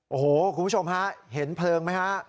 โอ้โหคุณผู้ชมฮะเห็นเพลิงไหมฮะ